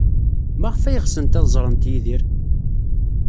Maɣef ay ɣsent ad ẓrent Yidir?